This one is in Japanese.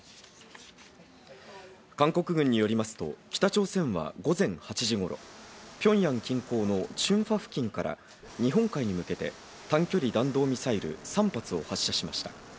韓国によりますと北朝鮮は午前８時頃、ピョンヤン近郊のチュンファ付近から日本海に向けて短距離弾道ミサイル３発を発射しました。